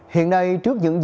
hiện nay trước những dịp